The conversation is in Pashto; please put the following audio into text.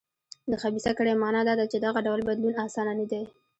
د خبیثه کړۍ معنا دا ده چې دغه ډول بدلون اسانه نه دی.